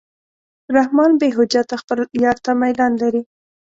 رحمان بېحجته خپل یار ته میلان لري.